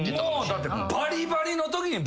だってバリバリのときに